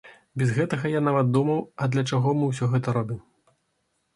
Без гэтага я нават думаў, а для чаго мы ўсё гэта робім?